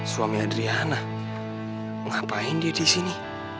suami adriana ngapain dia di sini